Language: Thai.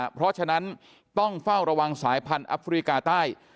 เพราะฉะนั้นต้องเฝ้าระวังสายพันธุ์อัฟริกาใต้